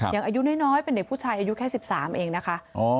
อายุน้อยเป็นเด็กผู้ชายอายุแค่๑๓เองนะคะ